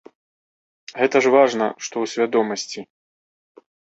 Гэта ж важна, што ў свядомасці.